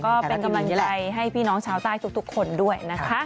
ก็เป็นกำลังใจให้พี่น้องชาวใต้ทุกคนด้วยนะคะ